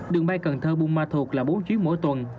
đường bay cần thơ bùn ma thuộc là bốn chuyến mỗi tuần